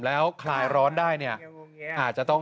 แต่กลางวันร้อน